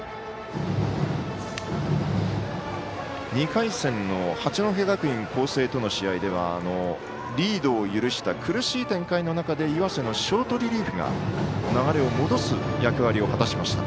２回戦の八戸学院光星との試合ではリードを許した苦しい展開の中で岩瀬のショートリリーフが流れを戻す役割を果たしました。